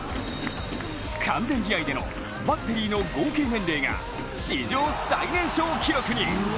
完全試合でのバッテリーの合計年齢が史上最年少記録に。